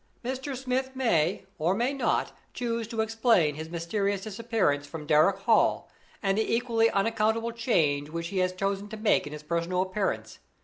Mr. Smith may or may not choose to explain his mysterious disappearance from Darrock Hall, and the equally unaccountable change which he has chosen to make in his personal appearance.